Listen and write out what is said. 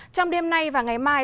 trong đêm nay và ngày mai